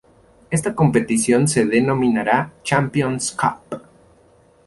Esta competición se denominaría Champions Cup.